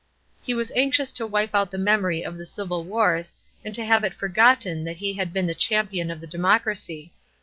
He was anxious to wipe out the memory of the civil wars and to have it forgotten that he had been the champion of the democracy.